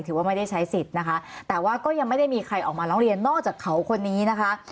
ถือว่าไม่ได้ใช้สิทธิ์นะคะแต่ว่าก็ยังไม่ได้มีใครออกมาร้องเรียนนอกจากเขาคนนี้นะคะ